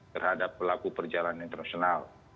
terhadap pelaku perjalanan internasional